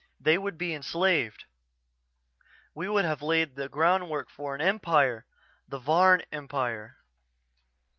They would be enslaved. "We would have laid the groundwork for an empire the Varn Empire."